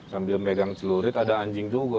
sambil megang celurit ada anjing juga